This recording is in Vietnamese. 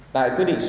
tại quyết định số một